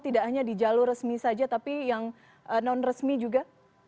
tidak hanya di jalur resmi saja tapi yang non resmi juga